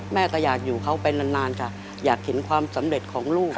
แม่ก็อยากอยู่เขาไปนานค่ะอยากเห็นความสำเร็จของลูก